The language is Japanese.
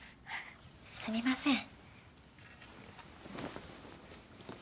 すみません。